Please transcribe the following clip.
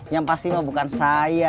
yang pasti mah bukan saya